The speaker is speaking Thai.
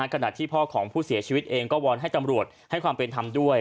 ขณะที่พ่อของผู้เสียชีวิตเองก็วอนให้ตำรวจให้ความเป็นธรรมด้วย